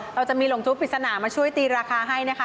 เราจะมีหลงทุกปริศนามาช่วยตีราคาให้นะคะ